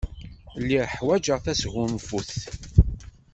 Lliɣ ḥwajeɣ tasgunfut.